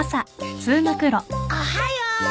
おはよう。